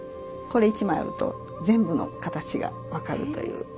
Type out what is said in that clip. これ１枚あると全部の形が分かるという。